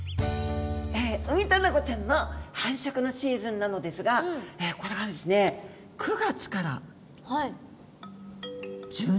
ウミタナゴちゃんの繁殖のシーズンなのですがこれがですね９月から１２月くらいにかけてなんだそうです。